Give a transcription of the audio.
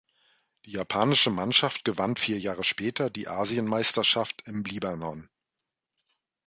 Die japanische Mannschaft gewann vier Jahre später die Asienmeisterschaft im Libanon.